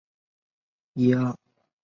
此吧因嘲讽李毅而建立。